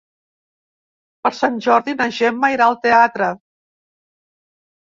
Per Sant Jordi na Gemma irà al teatre.